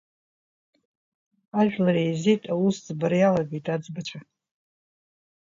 Ажәлар еизеит, аусӡбра иалагеит аӡбцәа.